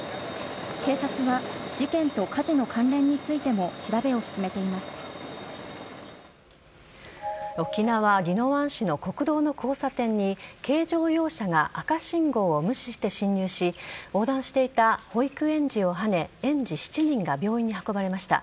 警察は事件と火事の関連についても沖縄・宜野湾市の国道の交差点に軽乗用車が赤信号を無視して進入し横断していた保育園児をはね園児７人が病院に運ばれました。